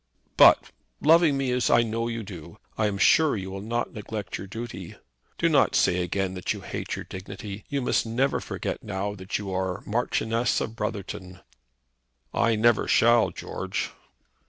"But, loving me as I know you do, I am sure you will not neglect your duty. Do not say again that you hate your dignity. You must never forget now that you are Marchioness of Brotherton." "I never shall, George."